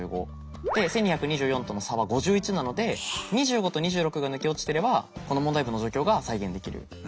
で１，２２４との差は５１なので２５と２６が抜け落ちてればこの問題文の状況が再現できる。